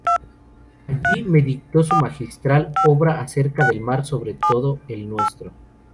Allí me dictó su magistral obra "Acerca del mar, sobre todo el nuestro".